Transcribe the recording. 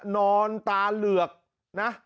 นอนตาเหลือกนะ